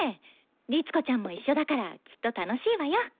律子ちゃんも一緒だからきっと楽しいわよ。